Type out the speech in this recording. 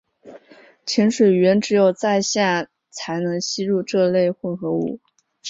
潜水员只有在下才能吸入这类混合物。